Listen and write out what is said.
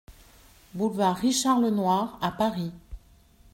Boulevard Richard Lenoir à Paris